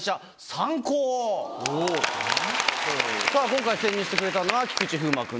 今回潜入してくれたのは菊池風磨君です。